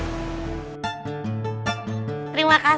terima kasih kang